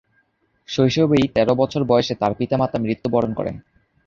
শৈশবেই তের বছর বয়সে তার পিতা-মাতা মৃত্যুবরণ করেন।